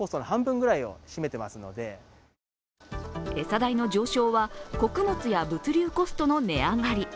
餌代の上昇は穀物や物流コストの値上がり。